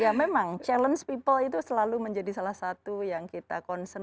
ya memang challenge people itu selalu menjadi salah satu yang kita concern